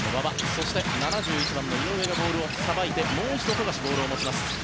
そして７１番の井上のボールをさばいてもう一度、富樫ボールを持ちます。